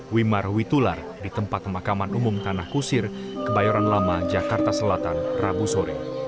wimar witular di tempat pemakaman umum tanah kusir kebayoran lama jakarta selatan rabu sore